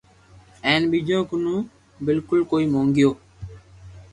ھين ٻيجو ڪنو بلڪول ڪوئي موگتو